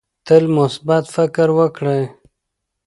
تل مثبت فکر وکړئ.